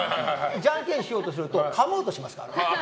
じゃんけんしようとするとかもうとしますからね。